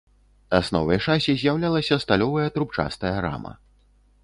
Асновай шасі з'яўлялася сталёвая трубчастая рама.